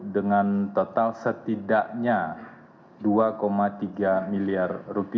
dengan total setidaknya rp dua tiga miliar